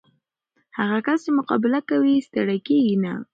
هغه کس چې مقابله کوي، ستړی کېږي نه.